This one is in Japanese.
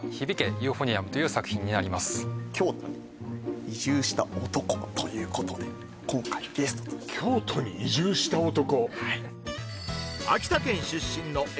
ユーフォニアム」という作品になりますということで今回ゲストとして京都に移住した男！？